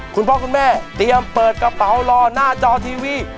คุณพ่อคุณแม่เตรียมเปิดกระเป๋ารอหน้าจอทีวี